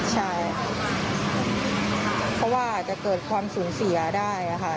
ใช่เพราะว่าอาจจะเกิดความสูญเสียได้ค่ะ